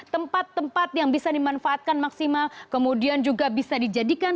tempat tempat yang bisa dimanfaatkan maksimal kemudian juga bisa dijadikan